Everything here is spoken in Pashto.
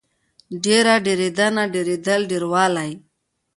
ډېر، ډېرېدنه، ډېرېدل، ډېروالی